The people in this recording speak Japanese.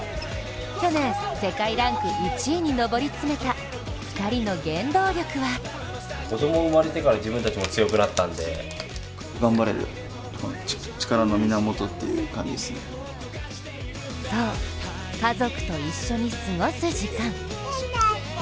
去年、世界ランク１位に上り詰めた２人の原動力はそう、家族と一緒に過ごす時間。